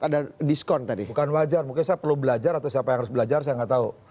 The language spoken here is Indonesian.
ada diskon tadi bukan wajar mungkin saya perlu belajar atau siapa yang harus belajar saya nggak tahu